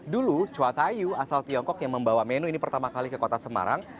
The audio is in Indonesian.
dulu chua tayu asal tiongkok yang membawa menu ini pertama kali ke kota semarang